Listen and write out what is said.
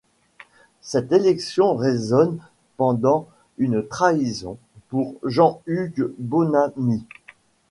Cette élection résonne comme une trahison pour Jean-Hugues Bonamy.